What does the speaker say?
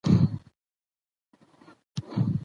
ژوند په څيرو دېوالو کې